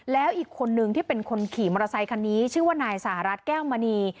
แล้วอีกคนนึงที่เป็นคนขี่มอเตอร์ไซคันนี้ชื่อว่านายสหรัฐแก้วมณี